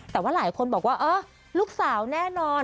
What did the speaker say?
แต่ว่าหลายคนบอกว่าเออลูกสาวแน่นอน